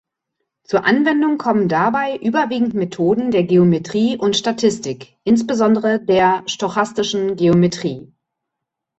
Zur Anwendung kommen dabei überwiegend Methoden der Geometrie und Statistik, insbesondere der Stochastischen Geometrie.